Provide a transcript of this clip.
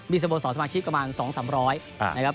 สโมสรสมาชิกประมาณ๒๓๐๐นะครับ